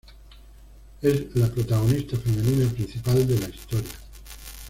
Es la protagonista femenina principal de la historia.